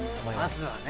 まずはね。